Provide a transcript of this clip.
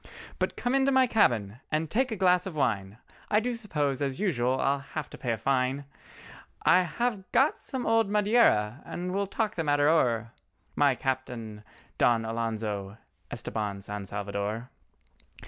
"But come into my cabin and take a glass of wine, I do suppose as usual, I'll have to pay a fine; I have got some old Madeira and we'll talk the matter o'er— My Capitan Don Alonzo Estabán San Salvador."